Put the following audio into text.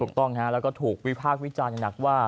ถูกต้องฮะแล้วก็ถูกวิพากษ์วิจารณ์อย่างหนักว่า